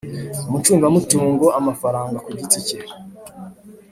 umucungamutungo amafaranga ku giti cye